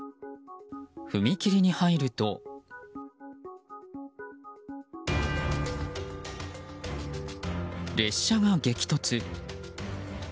踏切に入ると、列車が激突。